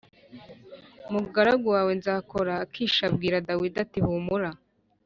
umugaragu wawe nzakora Akishi abwira Dawidi ati humura